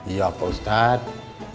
iya pak ustadz